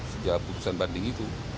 sejak putusan banding itu